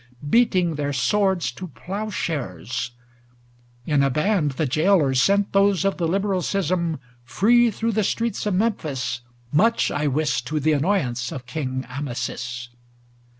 Beating their swords to ploughshares; in a band The gaolers sent those of the liberal schism Free through the streets of Memphis, ŌĆö much, I wis, To the annoyance of king Amasis.